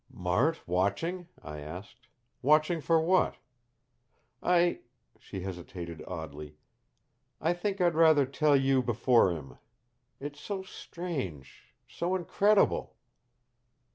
"Mart watching?" I asked. "Watching for what?" "I " she hesitated oddly. "I think I'd rather tell you before him. It's so strange so incredible."